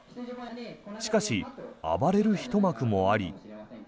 しかし、暴れるひと幕もあり。